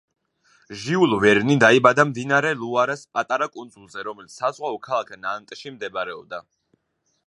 ჟიულ ვერნი დაიბადა მდინარე ლუარას პატარა კუნძულზე, რომელიც საზღვაო ქალაქ ნანტში მდებარეობდა.